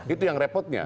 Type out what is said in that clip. itu yang repotnya